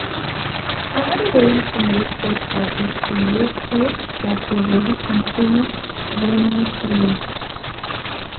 Another way to make coleslaw is to use foods that already contain vinaigrette.